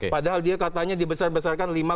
padahal dia katanya dibesar besarkan